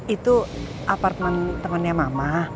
itu apartemen temennya mama